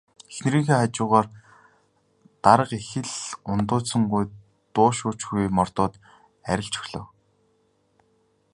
Эхнэрийнхээ хажуугаар дарга их л ундууцангуй дуу шуу ч үгүй мордоод арилж өглөө.